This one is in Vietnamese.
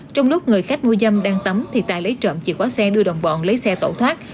trong lúc người khách mua dâm đang tắm thì tài lấy trộm chìa khóa xe đưa đồng bọn lấy xe tẩu thoát